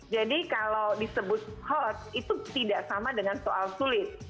jadi kalau disebut hot itu tidak sama dengan soal sulit